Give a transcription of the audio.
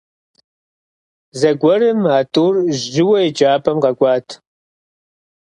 Зэгуэрым а тӏур жьыуэ еджапӏэм къэкӏуат.